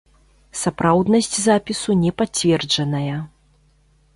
Сапраўднасць запісу не пацверджаная.